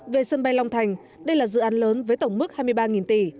về sân bay long thành đây là dự án lớn với tổng mức hai mươi ba tỷ